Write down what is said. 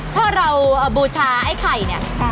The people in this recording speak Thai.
ถ้าเราบูชาไอ้ไข่เนี่ย